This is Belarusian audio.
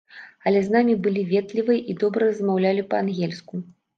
Але з намі былі ветлівыя і добра размаўлялі па-ангельску.